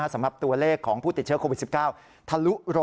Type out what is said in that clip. สำหรับตัวเลขของผู้ติดเชื้อโควิด๑๙ทะลุ๑๐๐